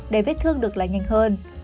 để vết thương được lái nhanh hơn